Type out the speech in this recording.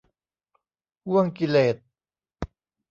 ห้วงกิเลส